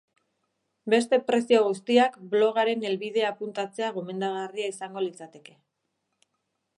Beste prezio guztiak blogaren helbidea apuntatzea gomendagarria izango litzateke.